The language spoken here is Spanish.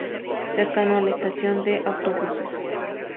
cercano a la estación de autobuses